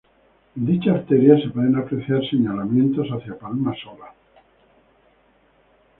En dicha arteria, se pueden apreciar señalamientos hacia Palma Sola.